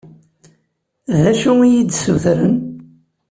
D acu i yi-d-ssutren?